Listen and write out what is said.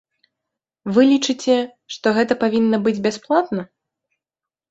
Вы лічыце, што гэта павінна быць бясплатна?